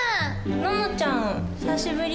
野乃ちゃん久しぶり。